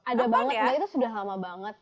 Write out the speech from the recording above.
ada banget mbak itu sudah lama banget